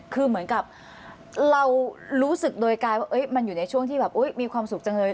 คือเหมือนกับเรารู้สึกโดยกายว่ามันอยู่ในช่วงที่แบบมีความสุขจังเลย